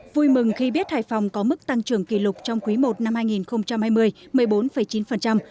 vui mừng khi biết hải phòng có mức tăng trưởng kỷ lục trong quý i năm hai nghìn hai mươi